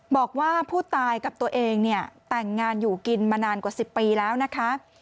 บอกว่าผู้ตายกับตัวเองเนี่ยแต่งงานอยู่กินมานานกว่า๑๐ปีแล้วนะคะ